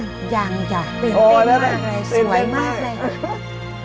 อย่างอย่างเป็นเป็นมากเลยสวยมากเลย